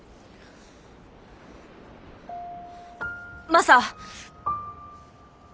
マサ。